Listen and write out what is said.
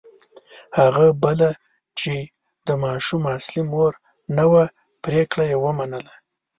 هغه بله چې د ماشوم اصلي مور نه وه پرېکړه یې ومنله.